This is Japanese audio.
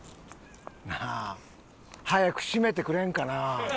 なあ早く締めてくれんかな？